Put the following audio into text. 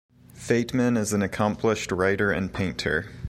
Fateman is an accomplished writer and painter.